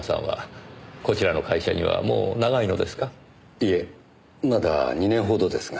いえまだ２年ほどですが。